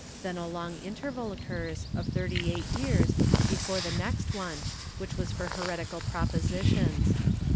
Then a long interval occurs, of thirty eight years, before the next one, which was for heretical propositions.